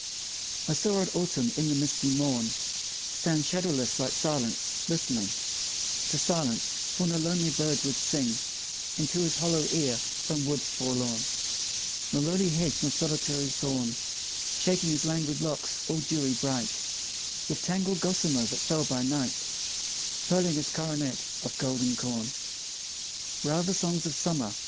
I saw old Autumn in the misty morn Stand shadowless like Silence, listening To silence, for no lonely bird would sing Into his hollow ear from woods forlorn, Nor lowly hedge nor solitary thorn; Shaking his languid locks all dewy bright With tangled gossamer that fell by night, Pearling his coronet of golden corn. Where are the songs of Summer?